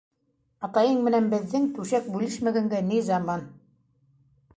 Атайың менән беҙҙең түшәк бүлешмәгәнгә ни заман!